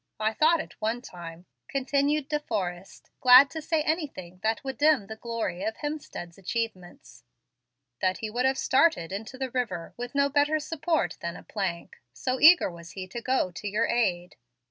I thought at one time," continued De Forrest, glad to say anything that would dim the glory of Hemstead's achievements, "that he would start out into the river with no better support than a plank, so eager was he to go to your aid.